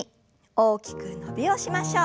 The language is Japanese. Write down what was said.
大きく伸びをしましょう。